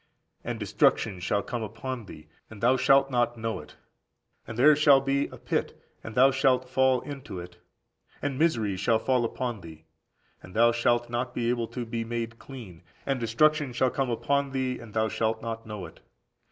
And destruction shall come upon thee, and thou shalt not know it. (And there shall be) a pit, and thou shalt fall into it; and misery shall fall upon thee, and thou shalt not be able to be made clean; and destruction shall come upon thee, and thou shalt not know it.